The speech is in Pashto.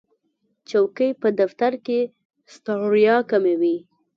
چوکۍ په دفتر کې ستړیا کموي.